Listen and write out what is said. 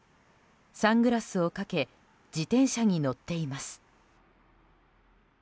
サングラスをかけ自転車に乗っています。